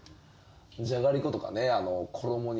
じゃがりことかね。